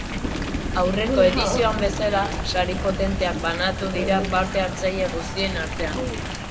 Aurreko edizioan bezala, sari potenteak banatuko dira parte hartzaile guztien artean.